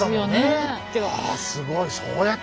あすごい。